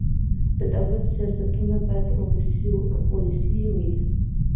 د دولت سیاستونه باید ولسي وي